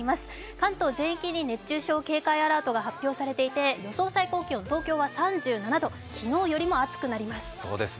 関東全域に熱中症警戒アラートが発表されていて予想最高気温、東京は３７度、昨日よりも暑くなります。